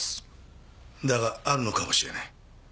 だがあるのかもしれない。